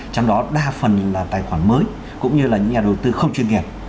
trong đó đa phần là tài khoản mới cũng như là những nhà đầu tư không chuyên nghiệp